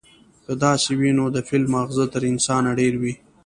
که داسې وي، نو د فيل ماغزه تر انسانه ډېر وي،